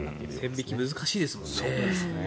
線引き難しいですもんね。